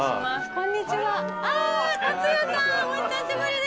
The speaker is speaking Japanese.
こんにちは。